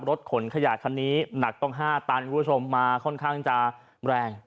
รถขนขยะคันนี้หนักต้อง๕ตันคุณผู้ชมมาค่อนข้างจะแรง